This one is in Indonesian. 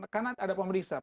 karena ada pemeriksa